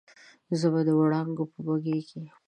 زه به د وړانګو په بګۍ کې